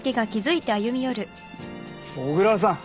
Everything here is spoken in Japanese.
小椋さん。